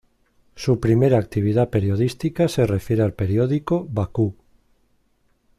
Su primera actividad periodística se refiere al periódico "Bakú".